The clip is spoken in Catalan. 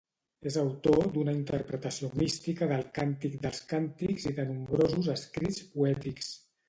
És autor d'una interpretació mística del Càntic dels Càntics i de nombrosos escrits poètics.